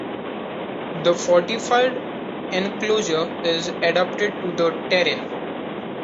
The fortified enclosure is adapted to the terrain.